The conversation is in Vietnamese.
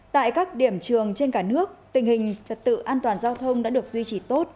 tại các điểm trường trên cả nước tình hình trật tự an toàn giao thông đã được duy trì tốt